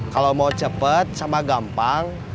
kalo mau cepet sama gampang